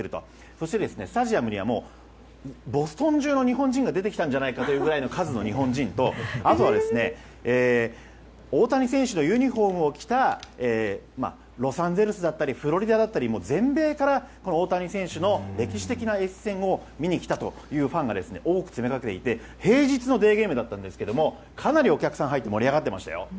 そしてスタジアムにはボストン中の日本人が出てきたんじゃないかというくらいの日本人と、あとは大谷選手のユニホームを着たロサンゼルスだったりフロリダだったり、全米から大谷選手の歴史的な熱戦を見に来たというファンが多く詰めかけて平日のデーゲームでしたがかなりお客さんが入って盛り上がっていましたよ。